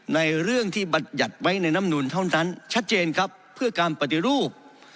ในเรื่องที่บรรยัติไว้ในน้ำนุนเท่านั้นชัดเจนครับเพื่อการปฏิรูป